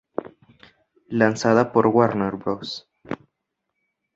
Lanzada por Warner Bros.